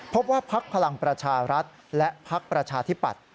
พบว่าพรรคพลังประชารัฐและพรรคประชาธิบัติ